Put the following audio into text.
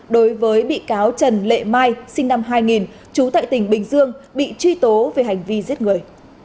đối với bị cáo trần lệ mai sinh năm hai nghìn trú tại tỉnh bình dương bị truy tố về hành vi giết người